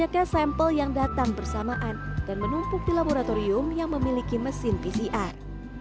ketua pusat pusat yang datang bersamaan dan menumpuk di laboratorium yang memiliki mesin pcr